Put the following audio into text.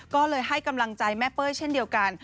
ก็เลยให้กำลังใจแม่เป้ยเช่นเดียวกัน